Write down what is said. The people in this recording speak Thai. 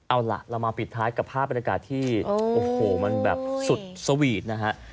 เอาล่ะเรามาปิดท้ายกับภาพบรรยากาศที่โอ้โหมันแบบสุดสวีทนะฮะ